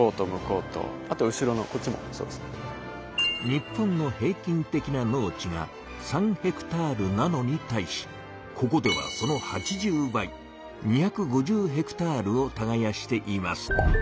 日本の平均的な農地が３ｈａなのに対しここではその８０倍２５０ｈａをたがやしています。